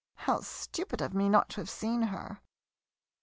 How stupid of me not to have seen her!